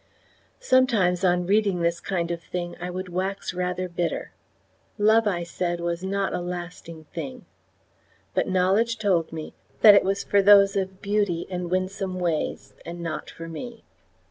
Sometimes on reading this kind of thing I would wax rather bitter. Love, I said, was not a lasting thing; but knowledge told me that it was for those of beauty and winsome ways, and not for me.